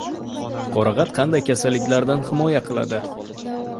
Qorag‘at qanday kasalliklardan himoya qiladi